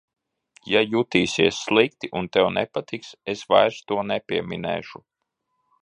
Ja jutīsies slikti un tev nepatiks, es vairs to nepieminēšu.